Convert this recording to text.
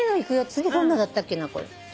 次どんなだったっけな。